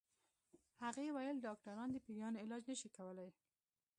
هغې ويل ډاکټران د پيريانو علاج نشي کولی